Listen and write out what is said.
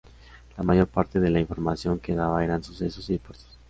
La mayor parte de la información que daba eran sucesos y deportes.